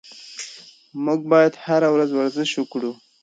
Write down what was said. موږ باید هره ورځ ورزش وکړو.